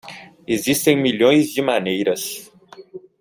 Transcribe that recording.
Existem milhões de maneiras.